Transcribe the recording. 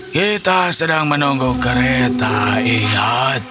kita sedang menunggu kereta iat